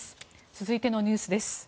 続いてのニュースです。